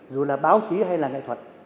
dù là báo chí hay là nghệ thuật